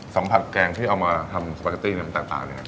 สัมผัสแกงที่เอามาทำสปาเก็ตตี้มันต่างอย่างไร